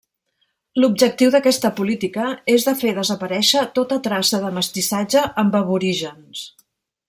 L'objectiu d'aquesta política és de fer desaparèixer tota traça de mestissatge amb aborígens.